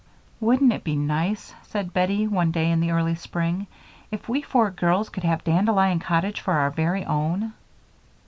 "Wouldn't it be nice," said Bettie, one day in the early spring, "if we four girls could have Dandelion Cottage for our very own?"